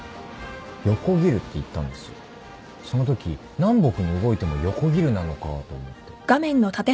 そのとき南北に動いても「横切る」なのかと思って。